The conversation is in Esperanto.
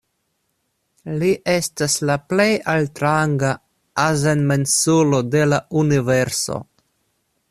Li estas la plej altranga azenmensulo de la universo.